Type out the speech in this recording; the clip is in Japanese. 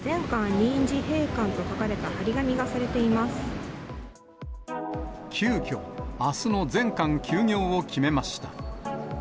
臨時閉館と書かれた貼り急きょ、あすの全館休業を決めました。